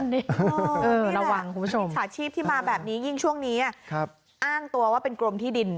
นี่แหละสถาชีพที่มาแบบนี้ยิ่งช่วงนี้อ้างตัวว่าเป็นกรมที่ดิน